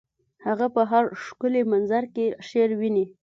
هغه په هر ښکلي منظر کې شعر ویني